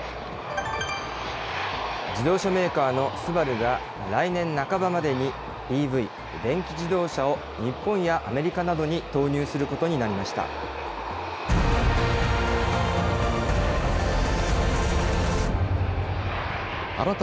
自動車メーカーのＳＵＢＡＲＵが、来年半ばまでにＥＶ・電気自動車を日本やアメリカなどに投入することになりました。